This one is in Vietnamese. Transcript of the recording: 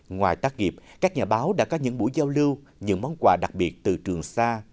ngoài tác nghiệp các nhà báo đã có những buổi giao lưu những món quà đặc biệt từ trường xa